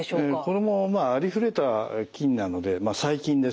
これもありふれた菌なので細菌ですね。